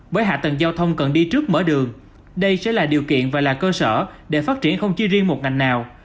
bởi hạ tầng giao thông cần đi trước mở đường đây sẽ là điều kiện và là cơ sở để phát triển không chỉ riêng một ngành nào